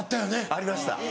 ありました。